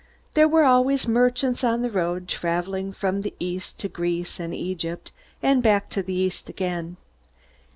There were always merchants on the road traveling from the East to Greece and Egypt, and back to the East again.